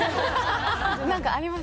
何かあります？